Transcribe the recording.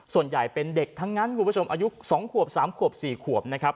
ส่วนใหญ่เป็นเด็กทั้งนั้นคุณผู้ชมอายุ๒ขวบ๓ขวบ๔ขวบนะครับ